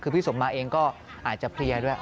คือพี่สมมาเองก็อาจจะเพลียด้วย